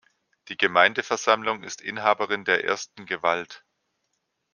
Die Gemeindeversammlung ist Inhaberin der ersten Gewalt.